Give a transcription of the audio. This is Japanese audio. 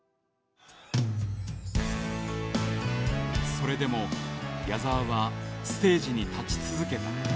それでも矢沢はステージに立ち続けた。